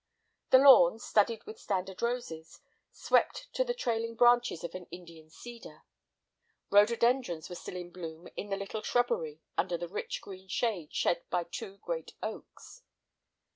The lawn, studded with standard roses, swept to the trailing branches of an Indian cedar. Rhododendrons were still in bloom in the little shrubbery under the rich green shade shed by two great oaks.